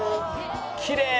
きれい！